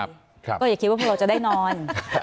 ก็อย่าคิดว่าพวกเราจะได้นอน